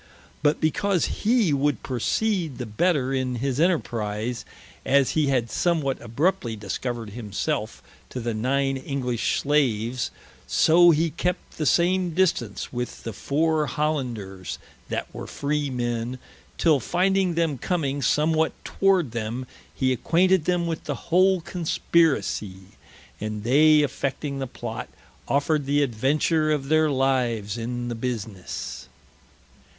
But because hee would proceed the better in his enterprise, as he had somewhat abruptly discovered himselfe to the nine English slaves, so he kept the same distance with the foure Hollanders, that were free men, till finding them comming somewhat toward them, he acquainted them with the whole Conspiracie, and they affecting the Plot, offered the adventure of their lives in the businesse.